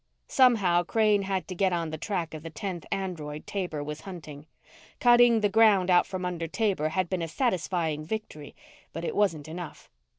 Somehow, Crane had to get on the track of the tenth android Taber was hunting. Cutting the ground out from under Taber had been a satisfying victory but it wasn't enough.